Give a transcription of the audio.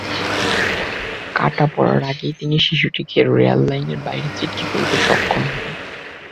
কাটা পড়ার আগেই তিনি শিশুটিকে রেল লাইনের বাইরে ছিটকে ফেলতে সক্ষম হন।